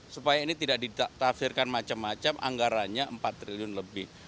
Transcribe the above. supaya ini tidak ditafsirkan macam macam anggarannya empat triliun lebih